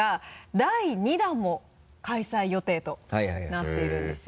第２弾も開催予定となっているんですよ。